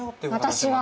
私は。